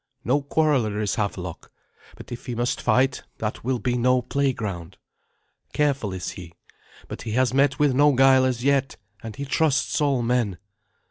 No quarreller is Havelok; but if he must fight, that will be no playground. Careful is he; but he has met with no guile as yet, and he trusts all men.